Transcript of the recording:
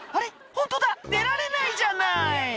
ホントだ出られないじゃない」